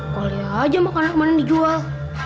boleh aja makanan kemarin dijual